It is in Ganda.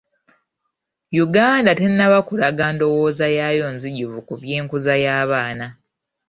Yuganda tennaba kulaga ndowooza yaayo nzijuvu ku by'enkuza y'abaana.